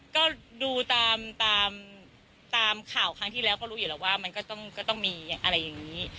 ก็ดูตามข่าวครั้งที่แล้วก็รู้อยู่แล้วว่ามันก็ต้องมีอะไรอย่างนี้